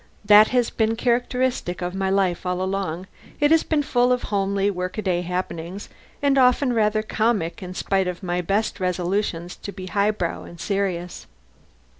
That has been characteristic of my life all along it has been full of homely, workaday happenings, and often rather comic in spite of my best resolves to be highbrow and serious.